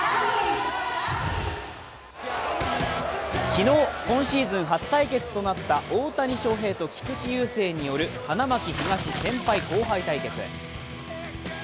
昨日、今シーズン初対決となった大谷翔平と菊池雄星による花巻東、先輩・後輩対決。